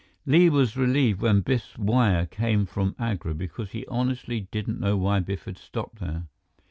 Li was relieved when Biff's wire came from Agra, because he honestly didn't know why Biff had stopped there.